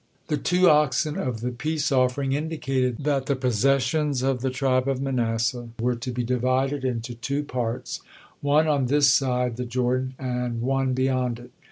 The two oxen of the peace offering indicated that the possessions of the tribe of Manasseh were to be divided into two parts, one on this side the Jordan, and one beyond it.